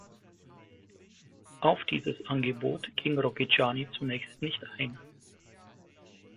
Auf dieses Angebot ging Rocchigiani zunächst nicht ein.